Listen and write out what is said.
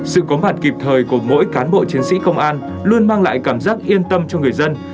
sự có mặt kịp thời của mỗi cán bộ chiến sĩ công an luôn mang lại cảm giác yên tâm cho người dân